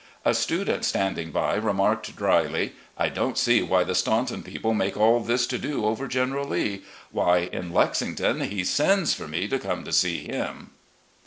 A student standing by remarked dryly: "I don't see why the Staimton people make all this to do over General Lee; why, in Lexington, he sends for me to come to see him